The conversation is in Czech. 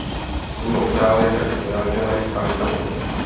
Mimo Itálii také v Drážďanech a Lisabonu.